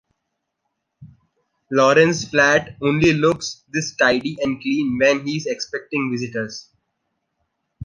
Lorenz’ flat only looks this tidy and clean when he’s expecting visitors.